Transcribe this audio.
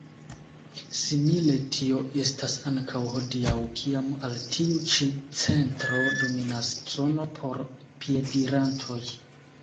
Simile tio estas ankaŭ hodiaŭ, kiam al tiu ĉi centro dominas zono por piedirantoj.